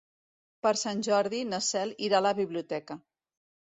Per Sant Jordi na Cel irà a la biblioteca.